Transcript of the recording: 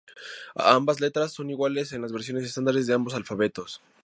Ambas letras son iguales en las versiones estándar de ambos alfabetos.